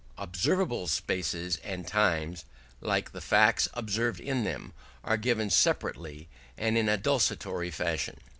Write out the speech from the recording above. Observable spaces and times, like the facts observed in them, are given separately and in a desultory fashion.